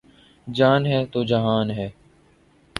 جان ہے تو جہان ہے